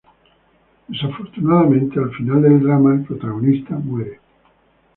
Desafortunadamente al final del drama, el protagonista muere.